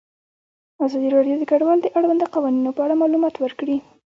ازادي راډیو د کډوال د اړونده قوانینو په اړه معلومات ورکړي.